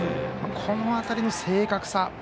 この辺りの正確さ。